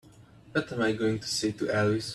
What am I going to say to Elvis?